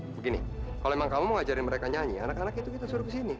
begini kalau emang kamu mau ngajarin mereka nyanyi anak anak itu kita suruh kesini